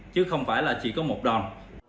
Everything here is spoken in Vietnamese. chứ không phải là chỉ có một đòn